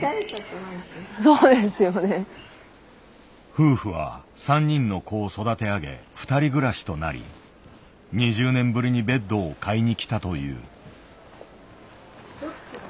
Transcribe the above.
夫婦は３人の子を育て上げ２人暮らしとなり２０年ぶりにベッドを買いに来たという。